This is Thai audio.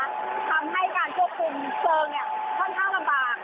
ทำให้การควบคุมเพลิงค่อนข้างลำบาก